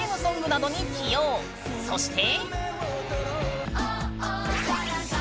そして。